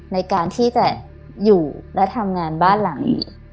ในการที่จะอยู่และทำงานบ้านหลังนี้